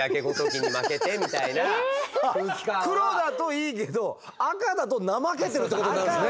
黒だといいけど赤だと怠けてるってことになるんですね。